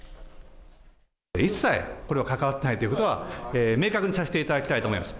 一切、これは関わっていないということは、明確にさせていただきたいと思います。